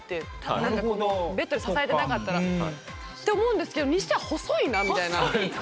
なんかベッドで支えてなかったら。って思うんですけどにしては細いなみたいな。